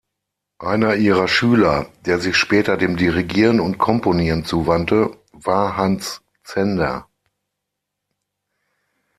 Einer ihrer Schüler, der sich später dem Dirigieren und Komponieren zuwandte, war Hans Zender.